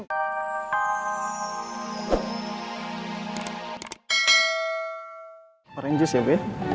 apa yang jus ya bu